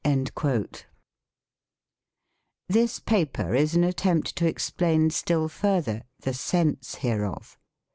2 This paper is an attempt to explain still further " the sense hereof".